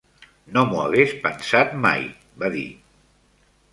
"No m'ho hagués pensat mai", va dir.